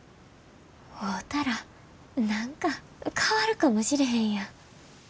会うたら何か変わるかもしれへんやん。